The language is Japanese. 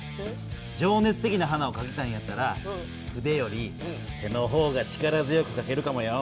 情熱的な花をかきたいんやったら筆より手の方が力強くかけるかもよ。